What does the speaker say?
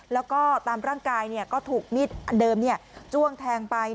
แล้วก็ตามร่างกายก็ถูกมีดอันเดิมจ้วงแทงไป